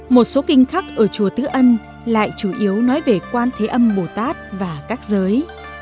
một số kinh khắc ở chùa tứ ân lại chủ yếu nói về quan thế âm bồ tát và các giới